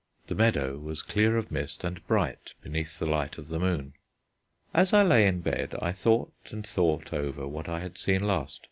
The meadow was clear of mist and bright beneath the light of the moon. As I lay in bed I thought and thought over what I had seen last.